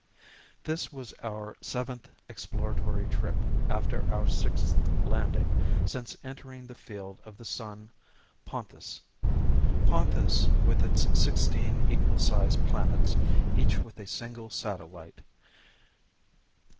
This was our seventh exploratory trip after our sixth landing since entering the field of the sun Ponthis. Ponthis with its sixteen equal sized planets, each with a single satellite.